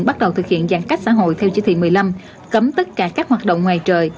bắt đầu thực hiện giãn cách xã hội theo chỉ thị một mươi năm cấm tất cả các hoạt động ngoài trời